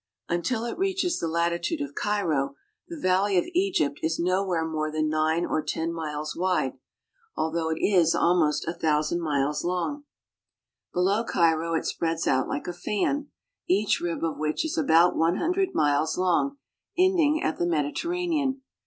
Until it reaches the latitude of Cairo, the valley of Egypt is no where more than nine or ten miles wide, although it is the ^_ da; i THE LAND OF THE NILE 85 almost a thousand miles long. Below Cairo it spreads out like a fan, each rib of which is about one hundred . miles long, ending at the Mediterranean.